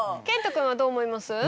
健人君はどう思います？